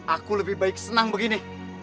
aku lebih baik senang begini